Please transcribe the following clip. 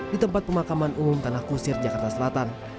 di tempat pemakaman umum tanah kusir jakarta selatan